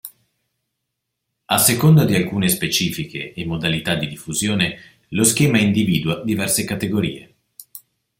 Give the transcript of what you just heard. A seconda di alcune specifiche e modalità di diffusione, lo schema individua diverse categorie.